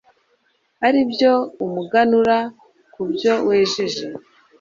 ari byo umuganura ku byo wejeje